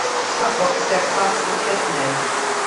Da boxt der Papst im Kettenhemd.